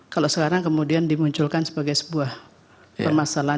kalau sekarang kemudian dimunculkan sebagai sebuah permasalahan